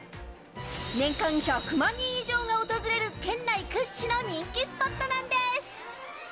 年間１００万人以上が訪れる県内屈指の人気スポットなんです。